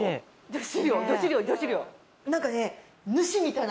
何かね。